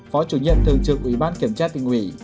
phó chủ nhận thường trưởng ủy ban kiểm tra tỉnh hủy